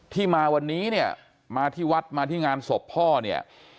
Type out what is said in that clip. ที่มาวันนี้เนี่ยมาที่วัดมาที่งานศพพ่อเนี่ย